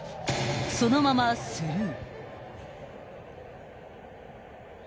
［そのままスルー］